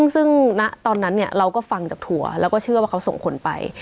ซึ่งณตอนนั้นเราก็ฟังจากทัวร์แล้วก็เชื่อว่าเขาส่งคนไป